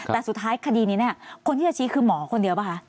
แต่สุดท้ายคดีนี้คนที่จะชี้คือหมอคนเดียวป่ะคะ